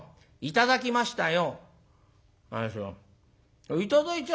「頂きましたよ」。